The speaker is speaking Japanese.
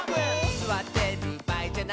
「すわってるばあいじゃない」